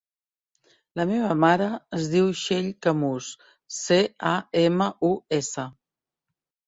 La meva mare es diu Txell Camus: ce, a, ema, u, essa.